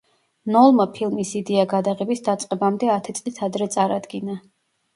ნოლმა ფილმის იდეა გადაღების დაწყებამდე ათი წლით ადრე წარადგინა.